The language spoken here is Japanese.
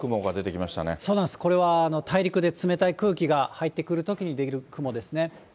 そうなんです、これは大陸で冷たい空気が入ってくるときに出来る雲ですね。